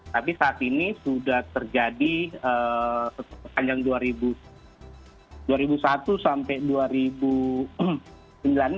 tapi saat ini sudah terjadi sepanjang dua ribu satu sampai dua ribu sembilan ini